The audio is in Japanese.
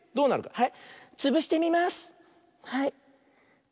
はい。